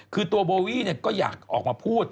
คือตัวโบวี่ก็อยากออกมาพูด